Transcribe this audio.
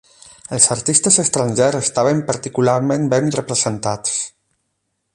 Els artistes estrangers estaven particularment ben representats.